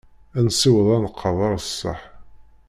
Ad nessiweḍ aneqqad ar ṣṣeḥ.